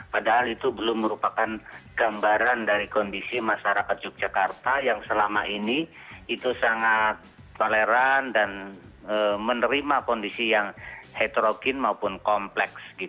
padahal itu belum merupakan gambaran dari kondisi masyarakat yogyakarta yang selama ini itu sangat toleran dan menerima kondisi yang heterogen maupun kompleks